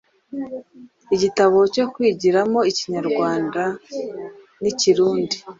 igitabo cyo kwigiramo ikinyarwanda n’Ikirundi -“